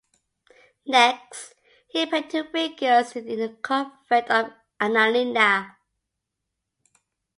Next, he painted two figures in the convent of Annalena.